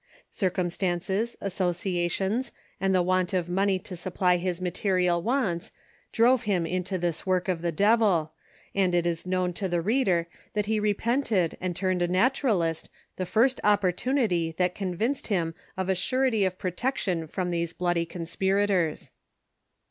Circum stances, associations and tlie want of money to supply his material wants drove him into this work of the devil, and it is known to the reader that lie repented and turned a Naturalist the first opportunity that convinced him of a surety of protection from these bloody conspirators.